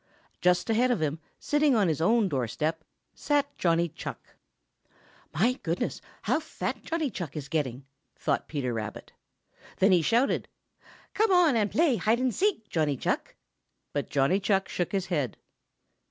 Just ahead of him, sitting on his own door step, sat Johnny Chuck. "My goodness, how fat Johnny Chuck is getting!" thought Peter Rabbit. Then he shouted: "Come on and play hide and seek, Johnny Chuck!" But Johnny Chuck shook his head.